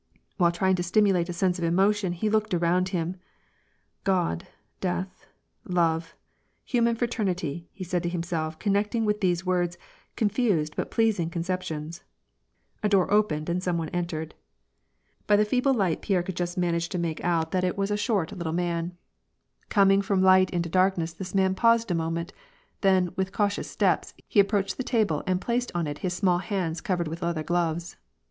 While trying to stimulate a sense of emotion, he looked around him :" God, death, love, human fraternity," he said to himself, connecting with these words confused but pleasing concep tions. A door opened, and some one entered. By the feeble light Pierre could just manage to make out 78 WAR AND PEACE. that it was a short little mau. Coming from light into dark ness this man paused a moment, then, with cautious steps, he approached the table and placed on it his small hands covered with leather gloves.